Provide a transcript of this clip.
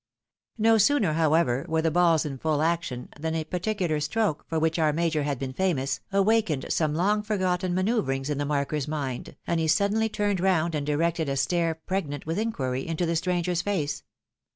No sooner, however, were the balls in full action, than a particular stroke, for which our major had been famous, awakened some long forgotten manoeuvrings in the marker's mind, and he suddenly turned round and directed a stare pregnant with inquiry into the stranger's face.